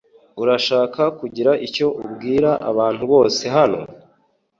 Urashaka kugira icyo ubwira abantu bose hano?